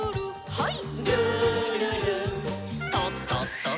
はい。